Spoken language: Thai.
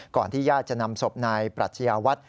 ก่อนที่ญาติจะนำศพนายปรัชญาวัตร